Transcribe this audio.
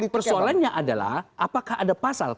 persoalannya adalah apakah ada pasal